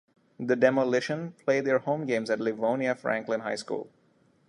The Demolition play their home games at Livonia Franklin High School.